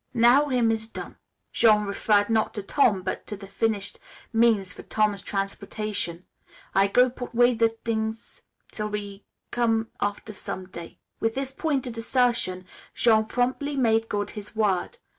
"Now him is done," Jean referred, not to Tom, but to the finished means for Tom's transportation. "I go, put 'way the t'ings till we com' after, som' day." With this pointed assertion, Jean promptly made good his word.